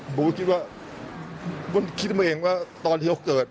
ผมก็คิดว่าคิดตัวเองว่าตอนที่เขาเกิด